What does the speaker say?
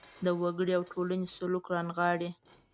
د وګړي او ټولنې سلوک رانغاړي.